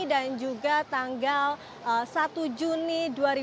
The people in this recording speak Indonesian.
dan juga tanggal satu juni dua ribu delapan belas